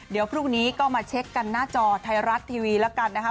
เดี๋ยวพรุ่งนี้ก็มาเช็คกันหน้าจอไทยรัฐทีวีแล้วกันนะคะ